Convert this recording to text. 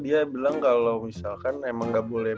dia bilang kalau misalkan emang gak boleh